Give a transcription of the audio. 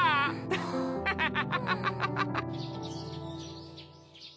アハハハ。